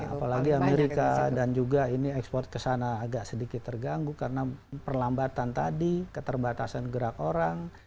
apalagi amerika dan juga ini ekspor ke sana agak sedikit terganggu karena perlambatan tadi keterbatasan gerak orang